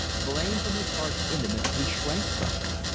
Blame from his heart's intimates he shrank from.